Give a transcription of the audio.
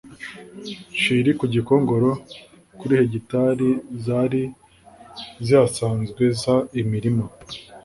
nshiri ku gikongoro kuri hegitari zari zihasanzwe z imirima